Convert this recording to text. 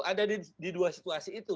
ada di dua situasi itu